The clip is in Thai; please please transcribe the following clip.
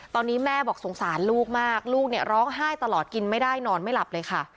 ตอนนี้แม่บอกสงสารลูกมากลูกเนี่ยร้องไห้ตลอดกินไม่ได้นอนไม่หลับเลยค่ะ